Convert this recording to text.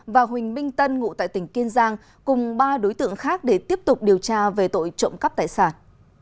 và huỳnh minh tân ngụ tại tỉnh kiên giang cùng ba đối tượng khác để tiếp tục điều tra về tội trộm cắp tài sản